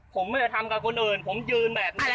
ผมไม่ได้ทำกับคนอื่นผมยืนแบบนี้